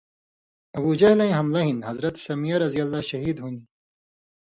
ابوجہلَیں حملہ ہِن حضرت سمیہ رض شھید ہُون٘دیۡ؛